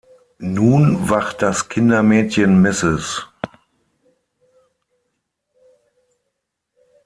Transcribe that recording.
Nun wacht das Kindermädchen Mrs.